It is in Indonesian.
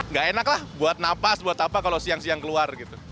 nggak enak lah buat napas buat apa kalau siang siang keluar gitu